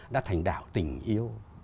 đã thành đảo tình yêu